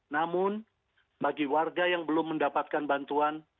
namun bagi warga yang belum mendapatkan bantuan